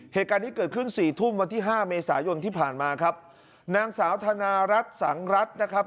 เหตุการณ์นี้เกิดขึ้นสี่ทุ่มวันที่ห้าเมษายนที่ผ่านมาครับนางสาวธนารัฐสังรัฐนะครับ